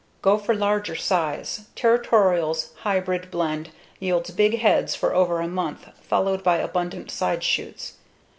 Go for larger size. Territorial's hybrid blend yields big heads for over a month followed by abundant side shoots.